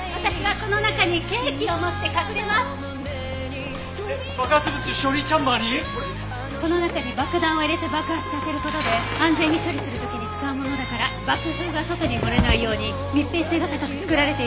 この中に爆弾を入れて爆発させる事で安全に処理する時に使うものだから爆風が外に漏れないように密閉性が高く作られているの。